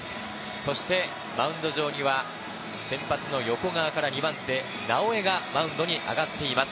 そしてマウンド上には、先発の横川から２番手・直江がマウンドに上がっています。